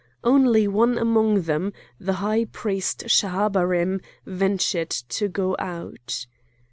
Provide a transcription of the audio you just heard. Only one among them, the high priest Schahabarim, ventured to go out.